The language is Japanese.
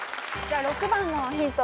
６番のヒント